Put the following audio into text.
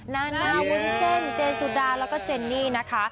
นาน่าว้นเจนเจนสุดาและเจนนี่นะคะ